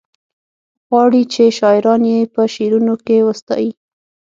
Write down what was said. غواړي چې شاعران یې په شعرونو کې وستايي.